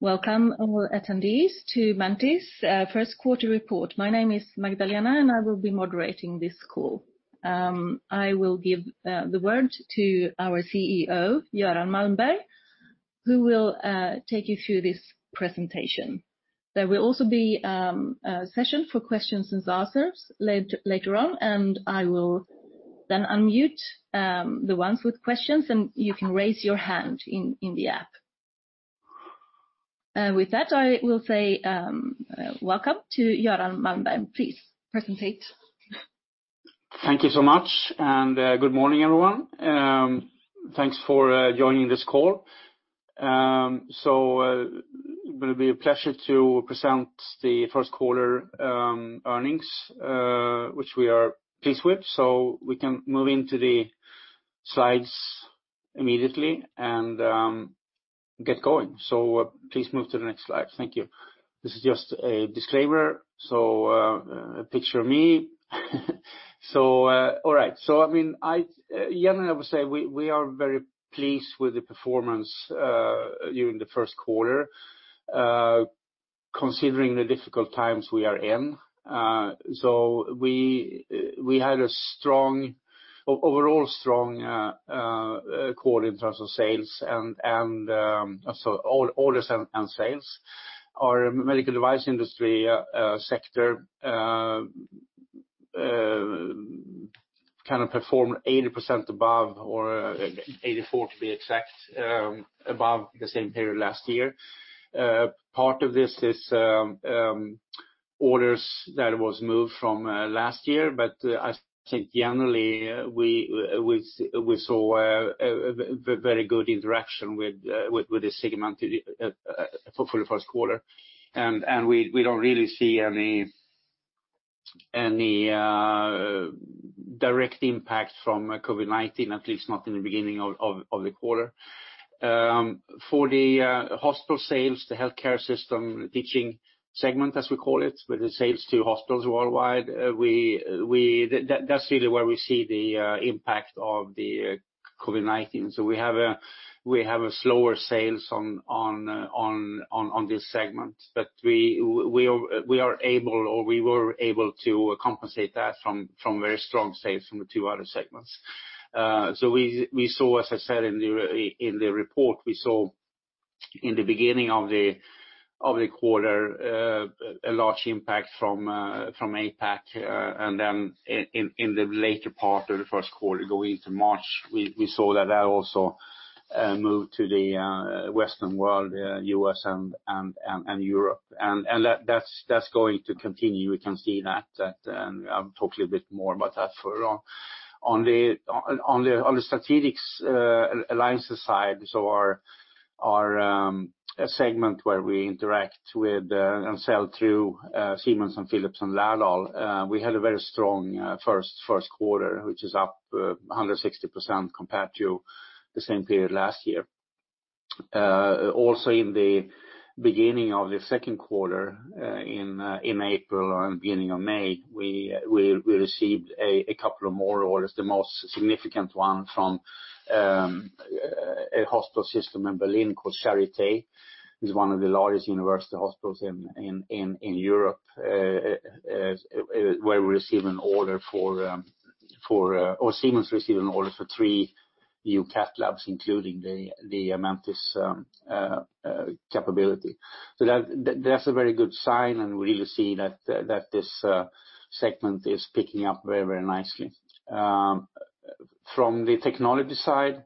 Welcome, all attendees, to Mentice first quarter report. My name is Magdalena, and I will be moderating this call. I will give the word to our CEO, Göran Malmberg, who will take you through this presentation. There will also be a session for questions and answers later on, and I will then unmute the ones with questions, and you can raise your hand in the app. With that, I will say welcome to Göran Malmberg. Please, present. Thank you so much. Good morning, everyone. Thanks for joining this call. It will be a pleasure to present the first quarter earnings, which we are pleased with. We can move into the slides immediately and get going. Please move to the next slide. Thank you. This is just a disclaimer. A picture of me. All right. Generally, I would say we are very pleased with the performance during the first quarter, considering the difficult times we are in. We had an overall strong quarter in terms of orders and sales. Our medical device industry sector kind of performed 80% above, or 84% to be exact, above the same period last year. Part of this is orders that was moved from last year, but I think generally, we saw a very good interaction with this segment for the first quarter. We don't really see any direct impact from COVID-19, at least not in the beginning of the quarter. For the hospital sales, the healthcare system, the teaching segment, as we call it, with the sales to hospitals worldwide, that's really where we see the impact of the COVID-19. We have a slower sales on this segment. We were able to compensate that from very strong sales from the two other segments. As I said in the report, we saw in the beginning of the quarter a large impact from APAC. In the later part of the first quarter, going into March, we saw that that also moved to the Western world, U.S. and Europe. That's going to continue. We can see that. I'll talk a little bit more about that further on. On the strategic alliances side, so our segment where we interact with and sell through Siemens and Philips and Laerdal, we had a very strong first quarter, which is up 160% compared to the same period last year. In the beginning of the second quarter, in April and beginning of May, we received a couple of more orders, the most significant one from a hospital system in Berlin called Charité. It's one of the largest university hospitals in Europe, where Siemens received an order for 3 new cath labs, including the Mentice capability. That's a very good sign, and we really see that this segment is picking up very, very nicely. From the technology side,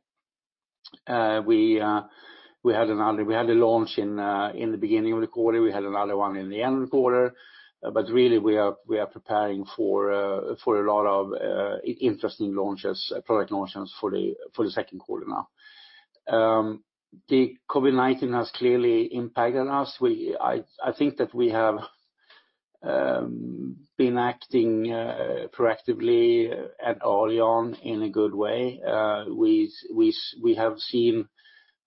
we had a launch in the beginning of the quarter. We had another one in the end of the quarter. Really, we are preparing for a lot of interesting product launches for the second quarter now. The COVID-19 has clearly impacted us. I think that we have been acting proactively and early on in a good way. We have seen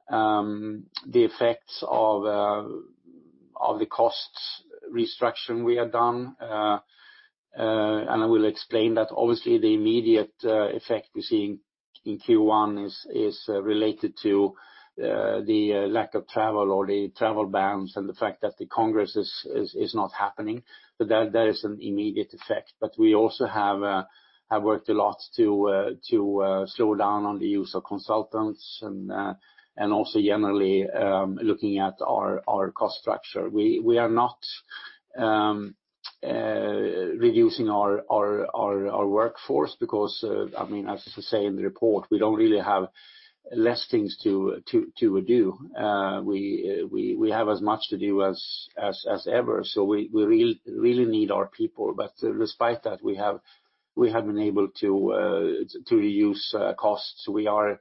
the effects of the cost restructuring we have done, and I will explain that. Obviously, the immediate effect we're seeing in Q1 is related to the lack of travel or the travel bans and the fact that the congress is not happening. We also have worked a lot to slow down on the use of consultants and also generally looking at our cost structure. We are not reducing our workforce because, as I say in the report, we don't really have less things to do. We have as much to do as ever, we really need our people. Despite that, we have been able to reduce costs. We are,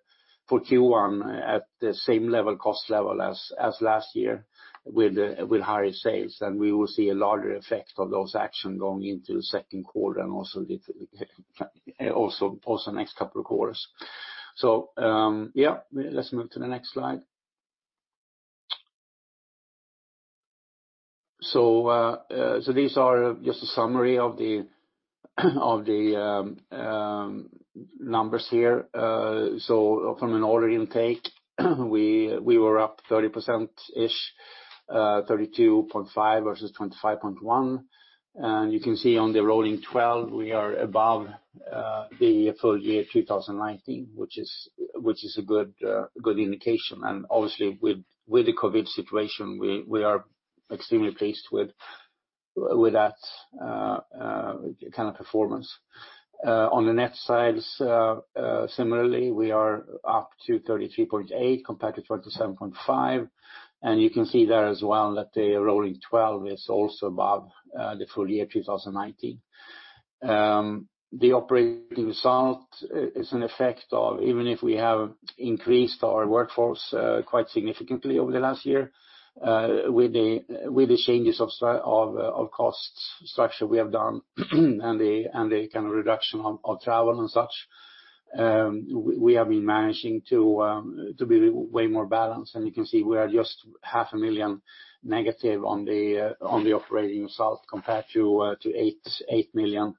for Q1, at the same cost level as last year with higher sales. We will see a larger effect of those action going into the second quarter and also the next couple of quarters. Let's move to the next slide. These are just a summary of the numbers here. From an order intake, we were up 30%-ish, 32.5% versus 25.1%. You can see on the rolling 12, we are above the full year 2019, which is a good indication. Obviously, with the COVID situation, we are extremely pleased with that kind of performance. On the net sales, similarly, we are up to 33.8% compared to 27.5%. You can see there as well that the rolling 12 is also above the full year 2019. The operating result is an effect of, even if we have increased our workforce quite significantly over the last year, with the changes of cost structure we have done and the reduction of travel and such, we have been managing to be way more balanced. You can see, we are just half a million negative on the operating results compared to 8 million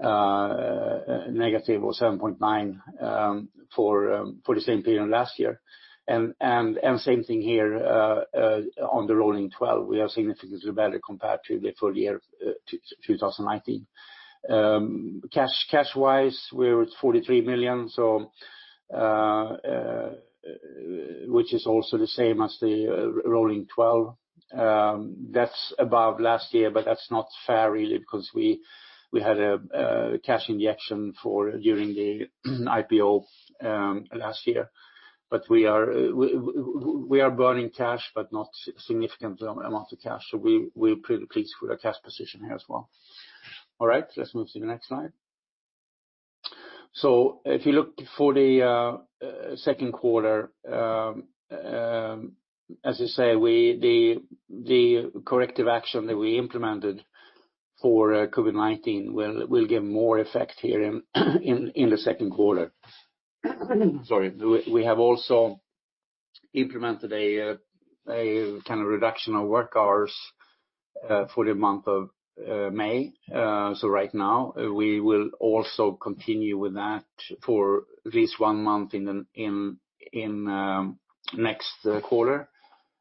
negative or 7.9% for the same period last year. Same thing here on the rolling 12, we are significantly better compared to the full year 2019. Cash-wise, we're at SEK 43 million, which is also the same as the rolling 12. That's above last year, but that's not fair really because we had a cash injection during the IPO last year. We are burning cash, but not significant amount of cash. We're pretty pleased with our cash position here as well. All right. Let's move to the next slide. If you look for the second quarter, as I say, the corrective action that we implemented for COVID-19 will give more effect here in the second quarter. Sorry. We have also implemented a kind of reduction of work hours for the month of May. Right now, we will also continue with that for at least one month in next quarter.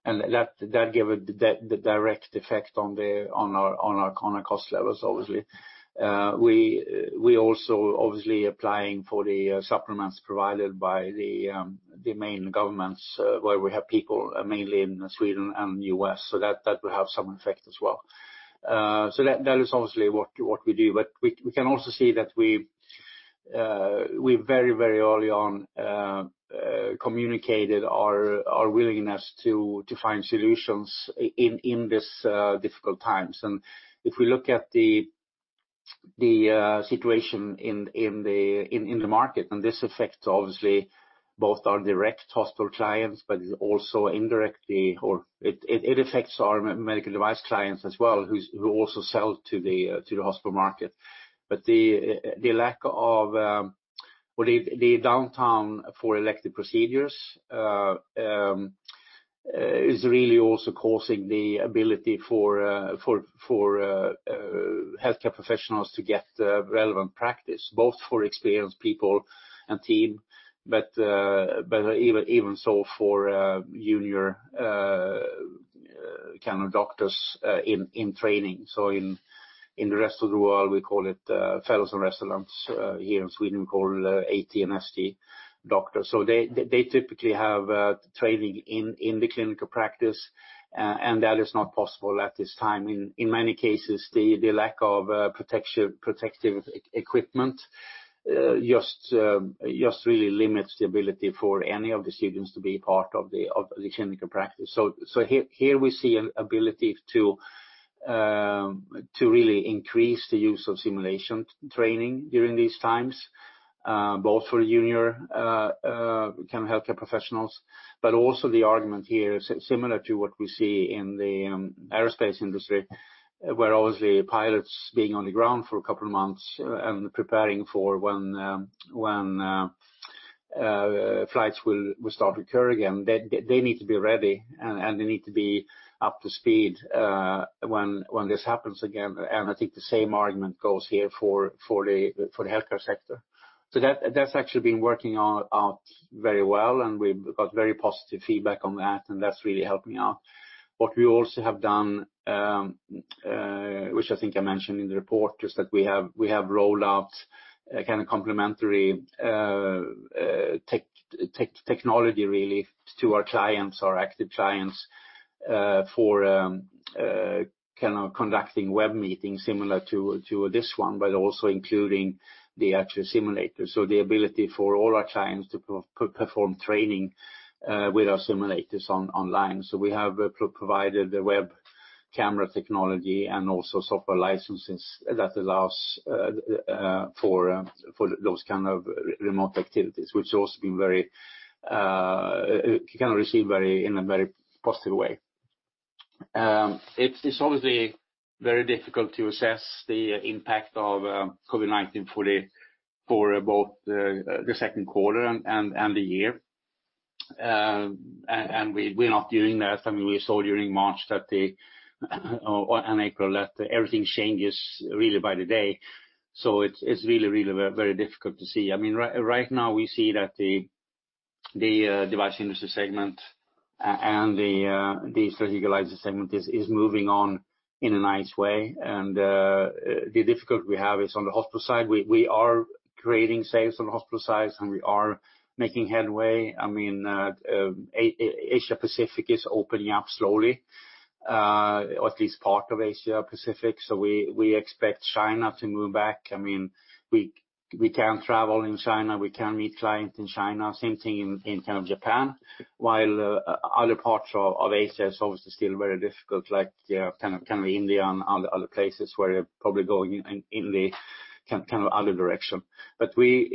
That give the direct effect on our current cost levels, obviously. We also obviously applying for the supplements provided by the main governments where we have people, mainly in Sweden and U.S. That will have some effect as well. That is obviously what we do. We can also see that we very early on communicated our willingness to find solutions in this difficult times. If we look at the situation in the market, this affects obviously both our direct hospital clients, but also indirectly, it affects our medical device clients as well who also sell to the hospital market. The downturn for elective procedures is really also causing the ability for healthcare professionals to get relevant practice, both for experienced people and team, but even so for junior kind of doctors in training. In the rest of the world, we call it fellows and residents. Here in Sweden, we call AT and ST doctors. They typically have training in the clinical practice, that is not possible at this time. In many cases, the lack of protective equipment just really limits the ability for any of the students to be part of the clinical practice. Here we see an ability to really increase the use of simulation training during these times, both for junior healthcare professionals. Also the argument here, similar to what we see in the aerospace industry, where obviously pilots being on the ground for a couple of months and preparing for when flights will start to occur again. They need to be ready, and they need to be up to speed when this happens again. I think the same argument goes here for the healthcare sector. That's actually been working out very well, and we've got very positive feedback on that, and that's really helping out. What we also have done, which I think I mentioned in the report, is that we have rolled out a kind of complementary technology really to our active clients for conducting web meetings similar to this one, but also including the actual simulator. The ability for all our clients to perform training with our simulators online. We have provided the web camera technology and also software licenses that allows for those kind of remote activities, which also been received in a very positive way. It's obviously very difficult to assess the impact of COVID-19 for both the second quarter and the year. We're not doing that. We saw during March and April that everything changes really by the day. It's really, very difficult to see. We see that the device industry segment and the strategic alliance segment is moving on in a nice way. The difficulty we have is on the hospital side. We are creating sales on the hospital side, and we are making headway. Asia Pacific is opening up slowly, or at least part of Asia Pacific. We expect China to move back. We can travel in China. We can meet clients in China. Same thing in Japan. While other parts of Asia is obviously still very difficult, like India and other places where they're probably going in the other direction. We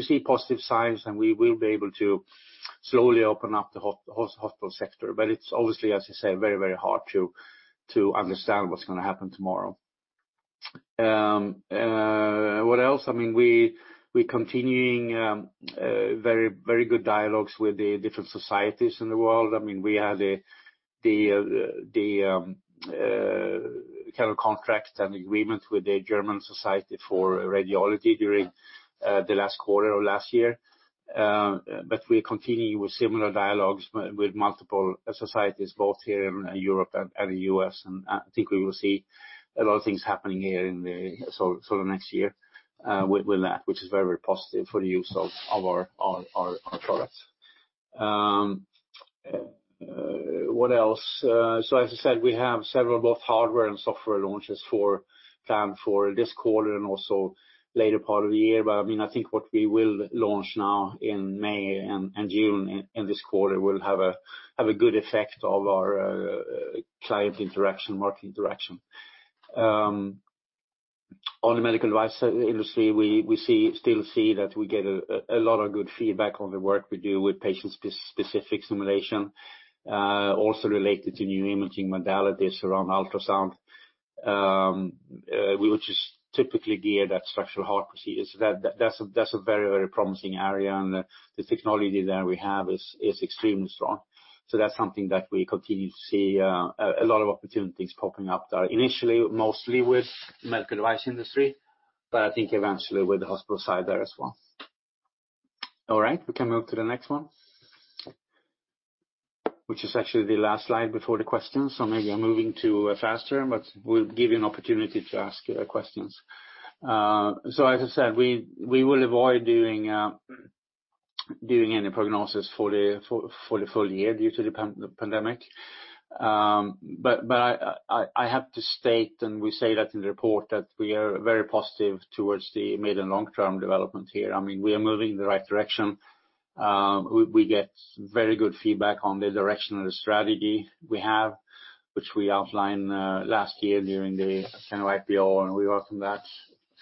see positive signs, and we will be able to slowly open up the hospital sector. It's obviously, as you say, very hard to understand what's going to happen tomorrow. What else? We're continuing very good dialogues with the different societies in the world. We had the contract and agreement with the German Radiological Society during the last quarter of last year. We continue with similar dialogues with multiple societies, both here in Europe and the U.S. I think we will see a lot of things happening here in the next year with that, which is very positive for the use of our products. What else? As I said, we have several both hardware and software launches planned for this quarter and also later part of the year. I think what we will launch now in May and June in this quarter will have a good effect of our client interaction, market interaction. On the medical device industry, we still see that we get a lot of good feedback on the work we do with patient-specific simulation, also related to new imaging modalities around ultrasound. We would just typically gear that structural heart procedures, that's a very promising area, the technology that we have is extremely strong. That's something that we continue to see a lot of opportunities popping up there. Initially, mostly with medical device industry, I think eventually with the hospital side there as well. All right, we can move to the next one, which is actually the last slide before the questions. Maybe I'm moving faster, we'll give you an opportunity to ask your questions. As I said, we will avoid doing any prognosis for the full year due to the pandemic. I have to state, we say that in the report, that we are very positive towards the mid and long-term development here. We are moving in the right direction. We get very good feedback on the direction of the strategy we have, which we outlined last year during the IPO. We welcome that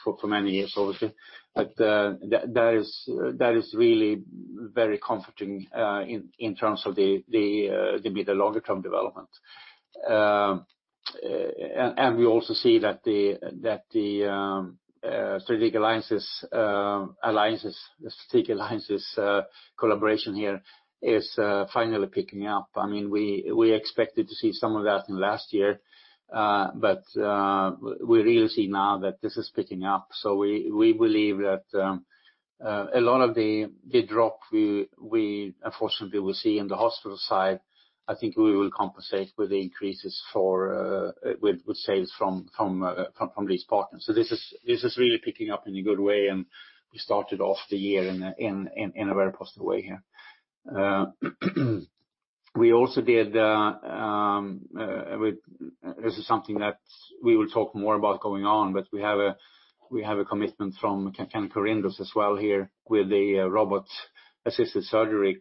for many years, obviously. That is really very comforting in terms of the mid and longer term development. We also see that the strategic alliances collaboration here is finally picking up. We expected to see some of that in last year, but we really see now that this is picking up. We believe that a lot of the drop we unfortunately will see in the hospital side, I think we will compensate with the increases with sales from these partners. This is really picking up in a good way, and we started off the year in a very positive way here. This is something that we will talk more about going on, but we have a commitment from Corindus Vascular Robotics as well here with the robot-assisted surgery,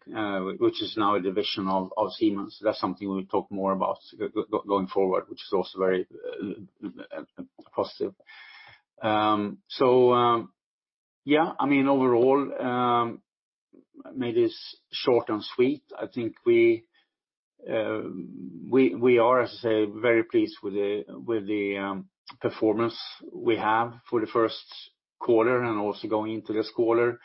which is now a division of Siemens. That's something we'll talk more about going forward, which is also very positive. Overall, made this short and sweet. I think we are, as I say, very pleased with the performance we have for the first quarter and also going into this quarter.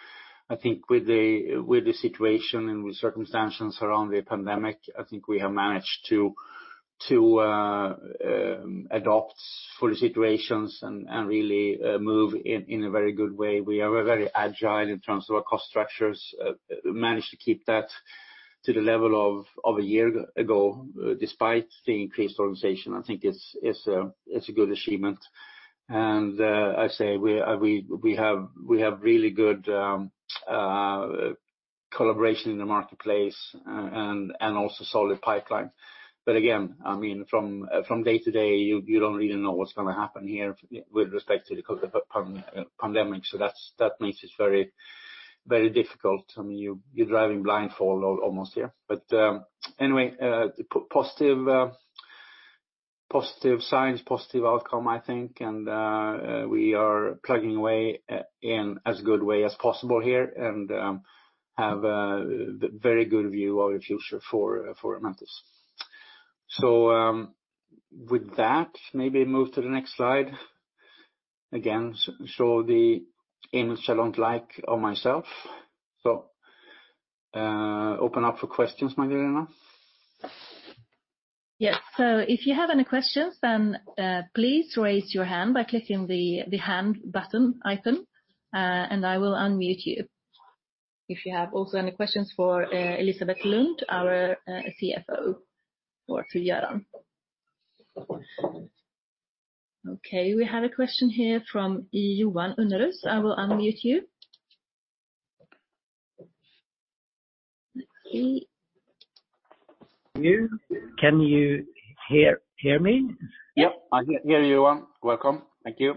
I think with the situation and with circumstances around the pandemic, I think we have managed to adapt to the situations and really move in a very good way. We are very agile in terms of our cost structures. We managed to keep that to the level of a year ago, despite the increased organization. I think it's a good achievement. I say we have really good collaboration in the marketplace and also solid pipeline. Again, from day to day, you don't really know what's going to happen here with respect to the pandemic. That makes it very difficult. You're driving blindfold almost here. Anyway, positive signs, positive outcome, I think, and we are plugging away in as good way as possible here and have a very good view of the future for Mentice. With that, maybe move to the next slide. Again, show the image I don't like of myself. Open up for questions, Magdalena. Yes. If you have any questions, please raise your hand by clicking the hand button icon, and I will unmute you. If you have also any questions for Elisabet Lund, our CFO, or to Göran. We have a question here from Johan Unnerus. I will unmute you. Let's see. Can you hear me? Yep, I can hear you, Johan. Welcome. Thank you.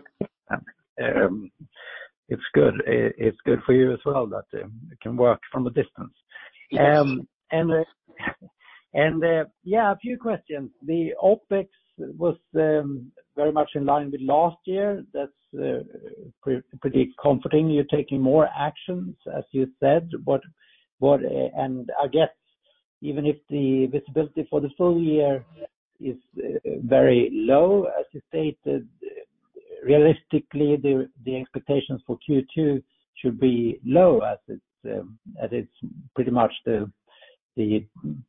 It's good for you as well that you can work from a distance. Yes. Yeah, a few questions. The OpEx was very much in line with last year. That's pretty comforting. You're taking more actions, as you said. I guess even if the visibility for the full year is very low, as you stated, realistically, the expectations for Q2 should be low as it's pretty much the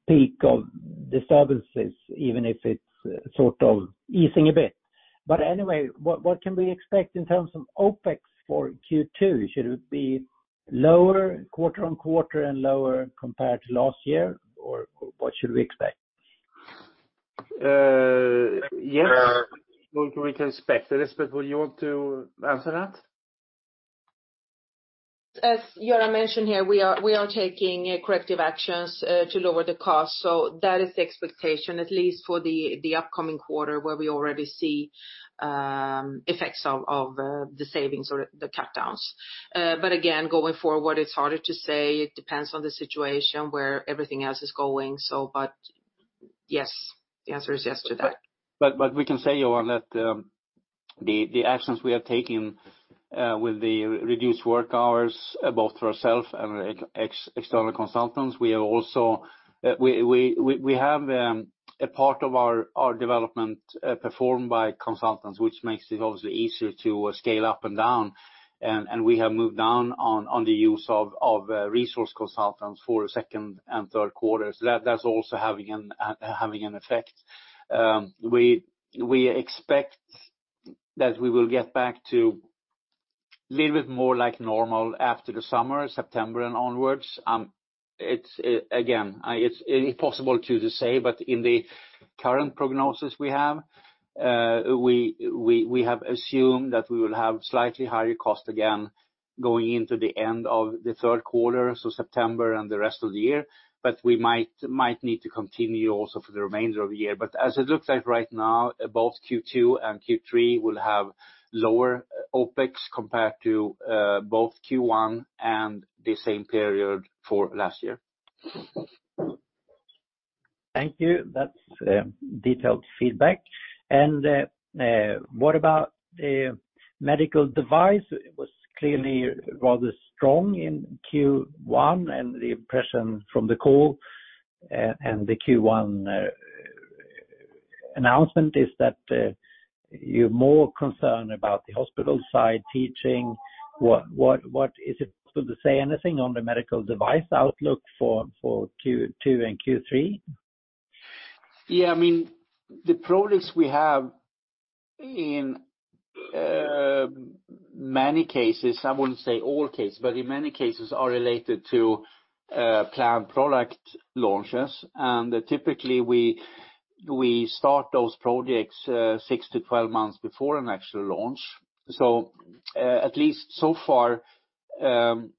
peak of disturbances, even if it's sort of easing a bit. Anyway, what can we expect in terms of OpEx for Q2? Should it be lower quarter-on-quarter and lower compared to last year? What should we expect? Yeah. What we can expect. Elisabet, would you want to answer that? As Göran mentioned here, we are taking corrective actions to lower the cost. That is the expectation, at least for the upcoming quarter, where we already see effects of the savings or the cutdowns. Again, going forward, it's harder to say. It depends on the situation where everything else is going. Yes, the answer is yes to that. We can say, Johan, that the actions we are taking with the reduced work hours, both for ourselves and external consultants, we have a part of our development performed by consultants, which makes it obviously easier to scale up and down. We have moved down on the use of resource consultants for Q2 and Q3. That's also having an effect. We expect that we will get back to a little bit more like normal after the summer, September and onwards. Again, it's impossible to say, in the current prognosis we have, we have assumed that we will have slightly higher cost again going into the end of Q3, so September and the rest of the year. We might need to continue also for the remainder of the year. As it looks like right now, both Q2 and Q3 will have lower OpEx compared to both Q1 and the same period for last year. Thank you. That's detailed feedback. What about the medical device? It was clearly rather strong in Q1, and the impression from the call and the Q1 announcement is that you're more concerned about the hospital side, teaching. Is it possible to say anything on the medical device outlook for Q2 and Q3? Yeah. The products we have in many cases, I wouldn't say all cases, but in many cases are related to planned product launches. Typically, we start those projects six to 12 months before an actual launch. At least so far, and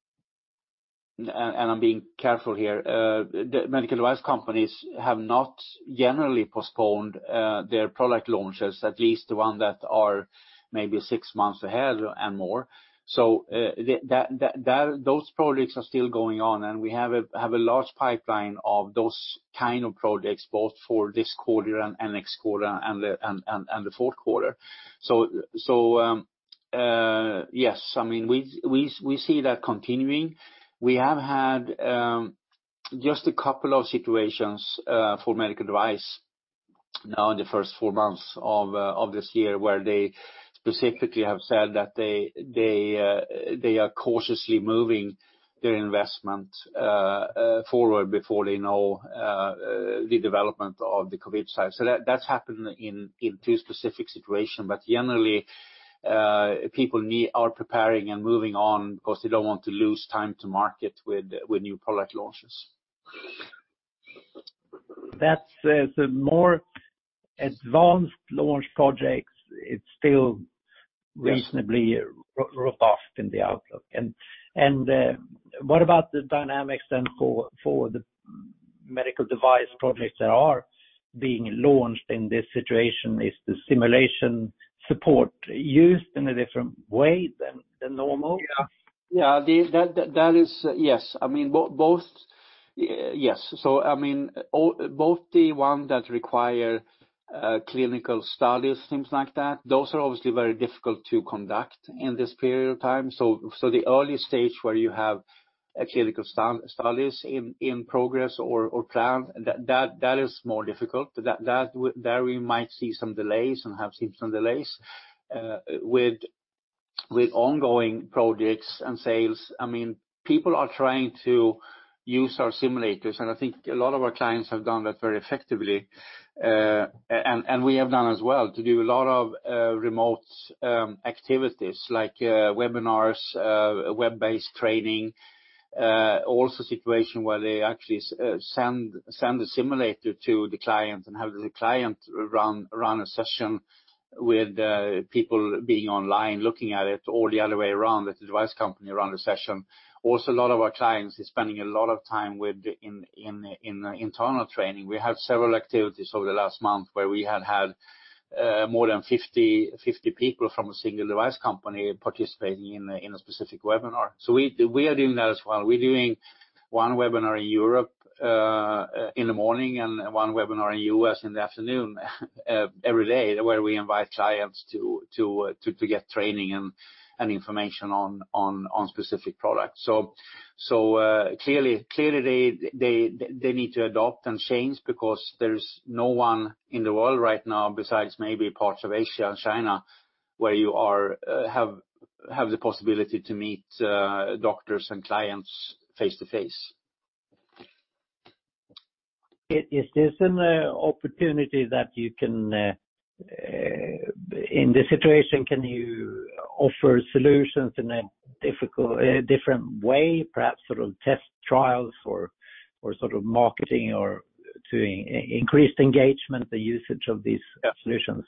I'm being careful here, the medical device companies have not generally postponed their product launches, at least the one that are maybe six months ahead and more. Those projects are still going on, and we have a large pipeline of those kind of projects, both for this quarter and next quarter and the fourth quarter. Yes, we see that continuing. We have had just a couple of situations for medical device now in the first four months of this year where they specifically have said that they are cautiously moving their investment forward before they know the development of the COVID side. That's happened in two specific situation. Generally, people are preparing and moving on because they don't want to lose time to market with new product launches. That's the more advanced launch projects. It's still reasonably robust in the outlook. What about the dynamics then for the medical device projects that are being launched in this situation? Is the simulation support used in a different way than normal? Yeah. Yes. Both the one that require clinical studies, things like that, those are obviously very difficult to conduct in this period of time. The early stage where you have clinical studies in progress or planned, that is more difficult. There we might see some delays and have seen some delays. With ongoing projects and sales, people are trying to use our simulators, and I think a lot of our clients have done that very effectively. We have done as well, to do a lot of remote activities like webinars, web-based training. Situation where they actually send a simulator to the client and have the client run a session with people being online looking at it, or the other way around, that the device company run the session. A lot of our clients is spending a lot of time in internal training. We had several activities over the last month where we had more than 50 people from a single device company participating in a specific webinar. We are doing that as well. We're doing one webinar in Europe in the morning and one webinar in the U.S. in the afternoon every day where we invite clients to get training and information on specific products. Clearly they need to adopt and change because there's no one in the world right now, besides maybe parts of Asia and China, where you have the possibility to meet doctors and clients face-to-face. Is this an opportunity that, in this situation, can you offer solutions in a different way? Perhaps sort of test trials or sort of marketing or to increased engagement, the usage of these solutions?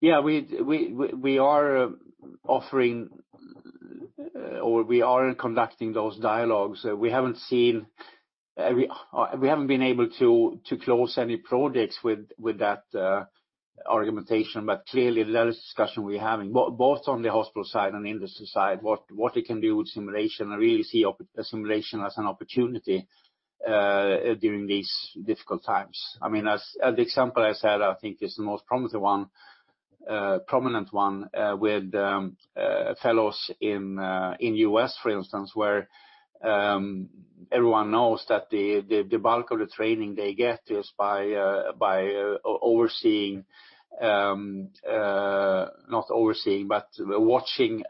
Yeah. We are offering or we are conducting those dialogues. We haven't been able to close any projects with that argumentation. Clearly that is a discussion we're having, both on the hospital side and industry side, what they can do with simulation, and really see simulation as an opportunity during these difficult times. The example I said, I think is the most prominent one with fellows in U.S., for instance, where everyone knows that the bulk of the training they get is by watching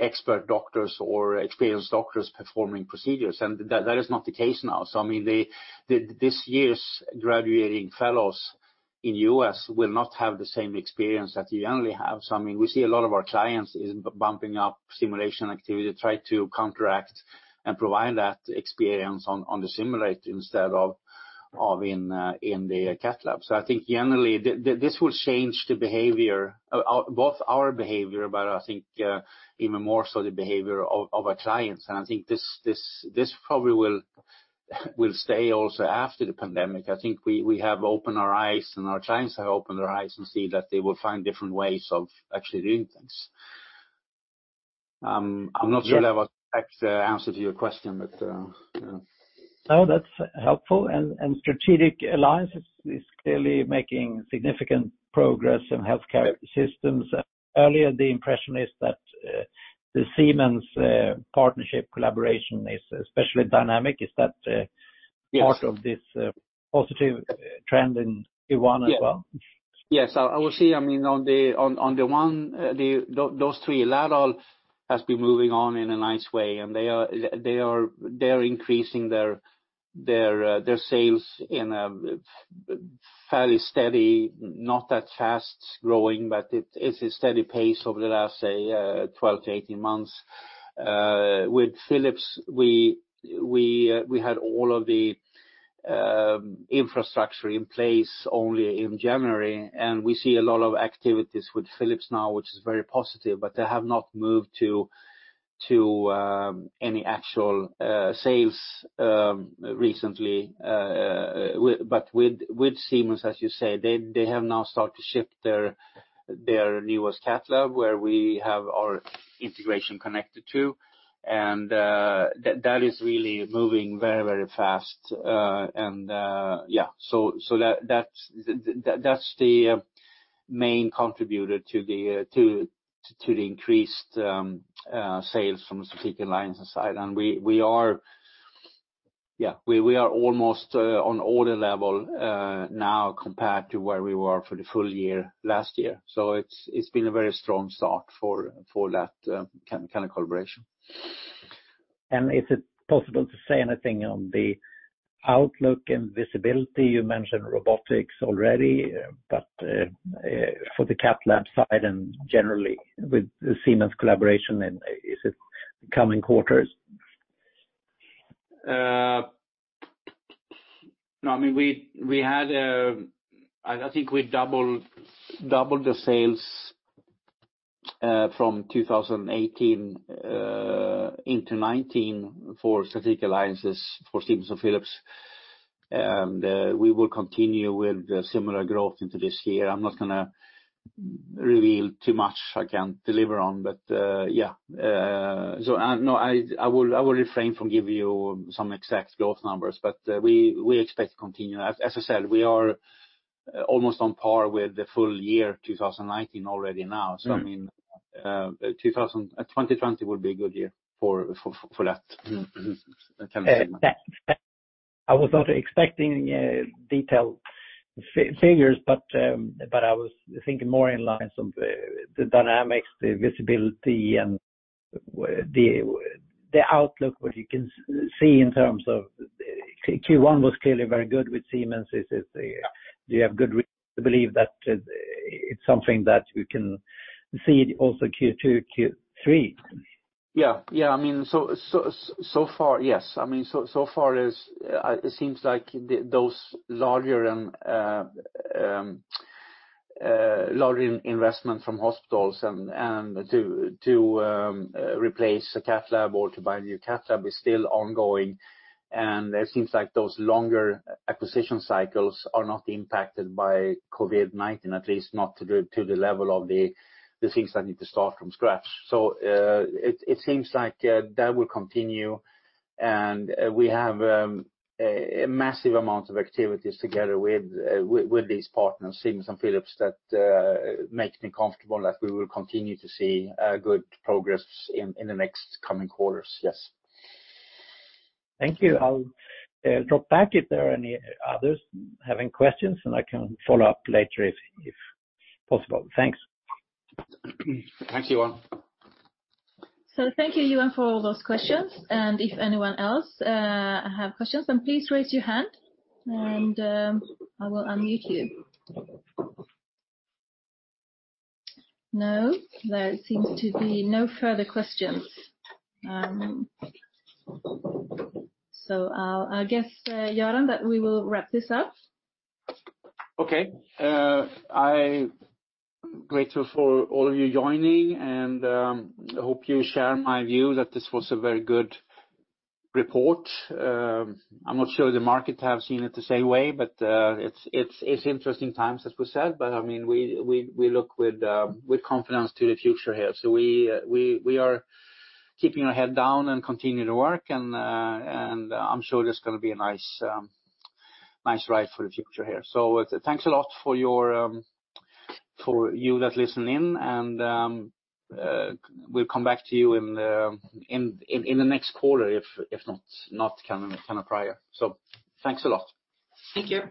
expert doctors or experienced doctors performing procedures. That is not the case now. This year's graduating fellows in U.S. will not have the same experience that you generally have. We see a lot of our clients is bumping up simulation activity to try to counteract and provide that experience on the simulator instead of in the cath lab. I think generally, this will change the behavior of, both our behavior, but I think even more so the behavior of our clients. I think this probably will stay also after the pandemic. I think we have opened our eyes, and our clients have opened their eyes and see that they will find different ways of actually doing things. I'm not sure that was the exact answer to your question, but yeah. No, that's helpful. Strategic alliances is clearly making significant progress in healthcare systems. Earlier, the impression is that the Siemens partnership collaboration is especially dynamic. Is that? Yes part of this positive trend in Q1 as well? Yes. I would say, on the one, those three, Laerdal has been moving on in a nice way, and they're increasing their sales in a fairly steady, not that fast-growing, but it's a steady pace over the last, say, 12 to 18 months. With Philips, we had all of the infrastructure in place only in January. We see a lot of activities with Philips now, which is very positive, but they have not moved to any actual sales recently. With Siemens, as you say, they have now started to ship their newest cath lab, where we have our integration connected to. That is really moving very fast. Yeah. That's the main contributor to the increased sales from strategic alliances side. We are almost on order level now compared to where we were for the full year last year. It's been a very strong start for that kind of collaboration. Is it possible to say anything on the outlook and visibility? You mentioned robotics already. For the cath lab side and generally with the Siemens collaboration in, is it coming quarters? I think we doubled the sales from 2018 into 2019 for strategic alliances for Siemens and Philips. We will continue with similar growth into this year. I'm not going to reveal too much I can't deliver on. Yeah. I will refrain from giving you some exact growth numbers, but we expect to continue. As I said, we are almost on par with the full year 2019 already now. 2020 will be a good year for that segment. I was not expecting detailed figures, but I was thinking more in lines of the dynamics, the visibility, and the outlook, what you can see in terms of Q1 was clearly very good with Siemens. Do you have good reason to believe that it's something that we can see also Q2, Q3? Yeah. So far, yes. So far it seems like those larger investment from hospitals and to replace a cath lab or to buy a new cath lab is still ongoing, and it seems like those longer acquisition cycles are not impacted by COVID-19, at least not to the level of the things that need to start from scratch. It seems like that will continue, and we have a massive amount of activities together with these partners, Siemens and Philips, that makes me comfortable that we will continue to see good progress in the next coming quarters. Yes. Thank you. I'll drop back if there are any others having questions, and I can follow up later if possible. Thanks. Thanks, Johan. Thank you, Johan, for all those questions. If anyone else have questions, then please raise your hand and I will unmute you. No, there seems to be no further questions. I'll guess, Göran, that we will wrap this up. Okay. I'm grateful for all of you joining, and I hope you share my view that this was a very good report. I'm not sure the market have seen it the same way, but it's interesting times, as we said. We look with confidence to the future here. We are keeping our head down and continue to work, and I'm sure there's going to be a nice ride for the future here. Thanks a lot for you that listen in, and we'll come back to you in the next quarter, if not coming prior. Thanks a lot. Thank you.